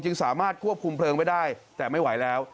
สามารถควบคุมเพลิงไว้ได้แต่ไม่ไหวแล้ว